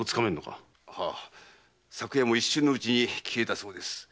昨夜も一瞬のうちに消えたそうです。